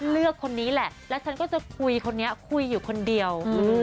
เลือกคนนี้แหละแล้วฉันก็จะคุยคนนี้คุยอยู่คนเดียว